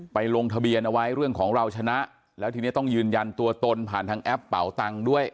ลงทะเบียนเอาไว้เรื่องของเราชนะแล้วทีนี้ต้องยืนยันตัวตนผ่านทางแอปเป่าตังค์ด้วย